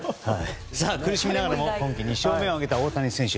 苦しみながらも今季２勝目を挙げた大谷選手。